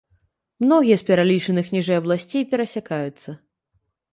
Многія з пералічаных ніжэй абласцей перасякаюцца.